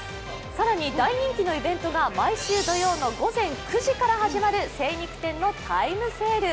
更に大人気のイベントが毎週土曜日の午前９時から始まる精肉店のタイムセール。